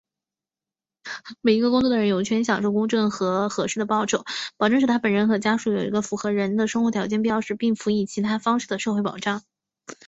每一个工作的人,有权享受公正和合适的报酬,保证使他本人和家属有一个符合人的生活条件,必要时并辅以其他方式的社会保障。